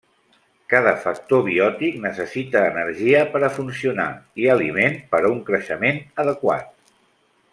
Cada factor biòtic necessita energia per a funcionar i aliment per a un creixement adequat.